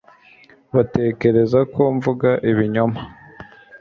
Batekereza ko mvuga ibinyoma